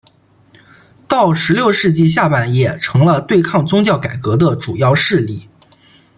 到十六世纪下半叶成了对抗宗教改革的主要势力。